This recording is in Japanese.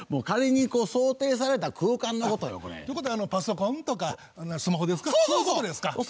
仮にこう想定された空間のことよ。ということはパソコンとかスマホですか？